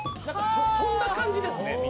そんな感じですね